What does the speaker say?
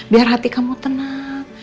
biar hati kamu tenang